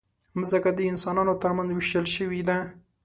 مځکه د انسانانو ترمنځ وېشل شوې ده.